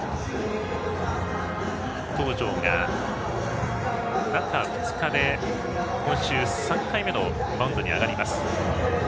東條が中２日で今週３回目のマウンドに上がります。